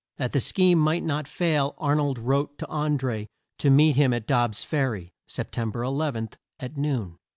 That the scheme might not fail, Ar nold wrote to An dré to meet him at Dobb's Fer ry, Sep tem ber 11, at noon.